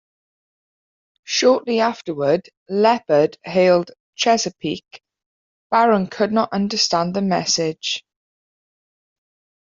Shortly afterward "Leopard" hailed "Chesapeake"; Barron could not understand the message.